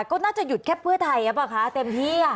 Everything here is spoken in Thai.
ก็น่าจะหยุดแค่เพื่อไทยหรือเปล่าคะเต็มที่